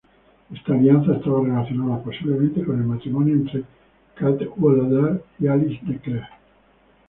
Esta alianza estaba relacionada posiblemente con el matrimonio entre Cadwaladr y Alice de Clare.